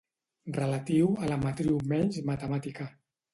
Relatiu a la matriu menys matemàtica.